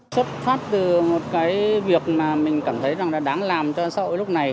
xuất phát từ một cái việc mà mình cảm thấy là đáng làm cho sau lúc này